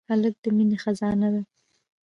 هلک د مینې خزانه ده.